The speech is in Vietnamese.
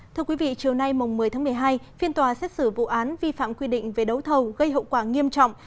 thưa quý vị chiều nay một mươi tháng một mươi hai phiên tòa xét xử vụ án vi phạm quy định về đấu thầu gây hậu quả nghiêm trọng